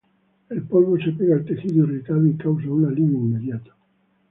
El polvo se pega al tejido irritado y causa un alivio inmediato.